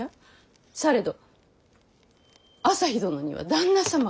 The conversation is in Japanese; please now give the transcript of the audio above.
されど旭殿には旦那様が。